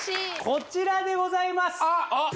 こちらでございますあっ！